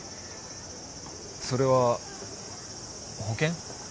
それは保険？